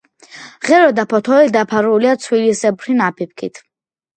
ღერო და ფოთოლი დაფარულია ცვილისებრი ნაფიფქით.